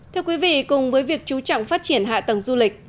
thưa quý vị cùng với việc chú trọng phát triển hạ tầng du lịch